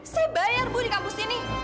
saya bayar bu di kampus ini